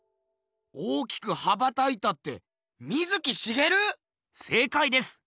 大きく羽ばたいたって水木しげる⁉せいかいです！